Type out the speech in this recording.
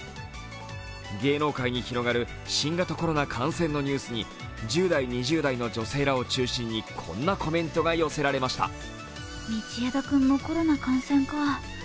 芸能界に広がる新型コロナ感染のニュースに１０代、２０代の女性らを中心に、こんなコメントが寄せられました。